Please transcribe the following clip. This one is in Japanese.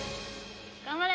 頑張れ。